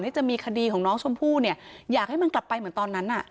จะมีคดีของน้องชมพู่เนี่ยอยากให้มันกลับไปเหมือนตอนนั้นน่ะ